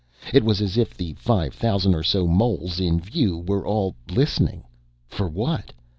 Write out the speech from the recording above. It was as if the five thousand or so moles in view were all listening for what?